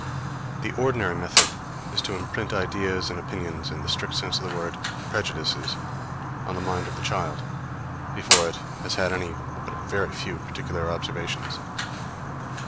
The ordinary method is to imprint ideas and opinions, in the strict sense of the word, prejudices, on the mind of the child, before it has had any but a very few particular observations.